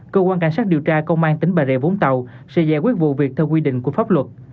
cơ quan cảnh sát điều tra công an tỉnh bà rịa vũng tàu sẽ giải quyết vụ việc theo quy định của pháp luật